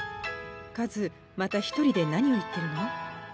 カズまた一人で何を言ってるの？